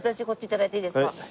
こっち頂いていいですか。